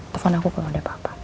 telepon aku kalo ada apa apa